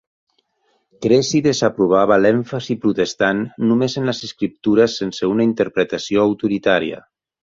Cressy desaprovava l'èmfasi protestant només en les escriptures sense una interpretació autoritària.